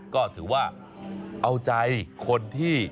ก็ถือว่าเอาใจคนที่